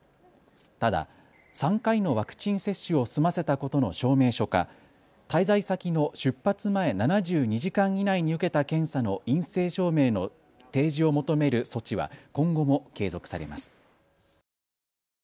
ただ３回のワクチン接種を済ませたことの証明書か滞在先の出発前７２時間以内に受けた検査の陰性証明の提示を求める措置は今後も継続されます。